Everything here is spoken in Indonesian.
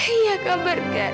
iya kak burger